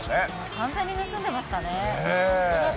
完全に盗んでましたね。